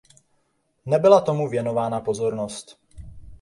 Nebyla tomu věnována pozornost.